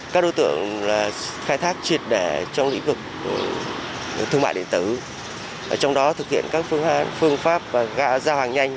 các đối tượng khai thác triệt đẻ trong lĩnh vực thương mại điện tử trong đó thực hiện các phương pháp giao hàng nhanh